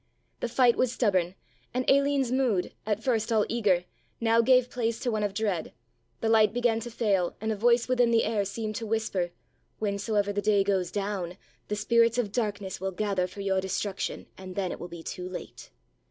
The fight was stubborn and Aline's mood, at first all eager, now gave place to one of dread, the light began to fail and a voice within the air seemed to whisper, "Whensoever the day goes down, the spirits of darkness will gather for your destruction and then it will be too late."